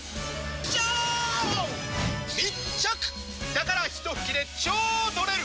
だから一拭きで超取れる！